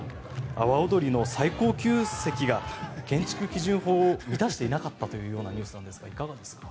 阿波おどりの最高級席が建築基準法を満たしていなかったというニュースなんですがいかがですか。